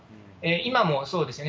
今もそうですよね。